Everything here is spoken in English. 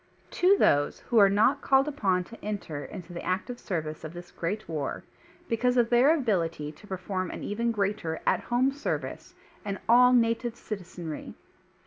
To those who are not called upon to enter into the active service of this great WAR, because of their ability to perform an even greatr at home service, and all native citizenry.